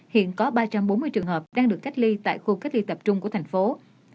hiện có ba trăm bốn mươi trường hợp đang được cách ly tại khu cách ly tập trung của thành phố